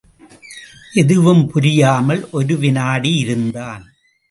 எதுவும் புரியாமல் ஒரு வினாடி இருந்தான்.